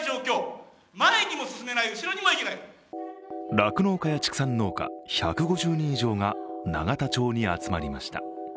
酪農家や畜産農家１５０人以上が永田町に集まりました。